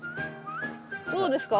どうですか？